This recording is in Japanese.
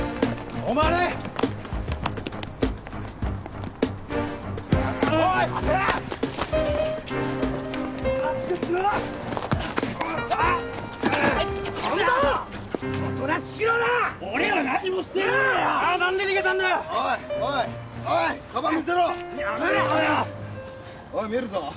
おい見るぞ。